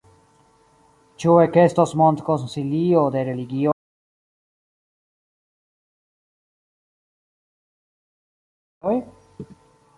Ĉu ekestos mondkonsilio de religioj?